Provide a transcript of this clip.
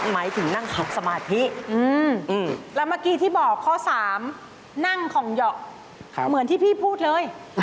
หมายถึงนั่งวางเฉย